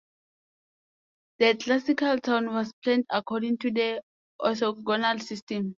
The classical town was planned according to the orthogonal system.